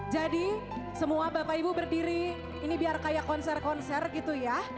jadi semua bapak ibu berdiri ini biar kayak konser konser gitu ya